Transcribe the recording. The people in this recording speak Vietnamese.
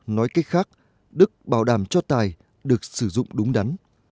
nói cách khác đức bảo đảm cho tài được sử dụng đúng đắn